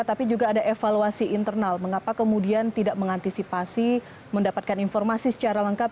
tapi juga ada evaluasi internal mengapa kemudian tidak mengantisipasi mendapatkan informasi secara lengkap